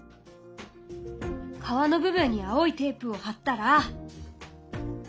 川の部分に青いテープを貼ったら。